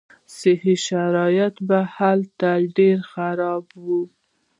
صحي شرایط به هم هلته ډېر خراب وو.